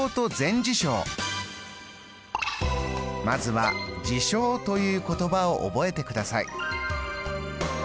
まずは事象という言葉を覚えてください。